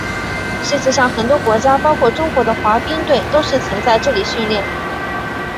世界上很多国家包括中国的滑冰队都曾在这里训练。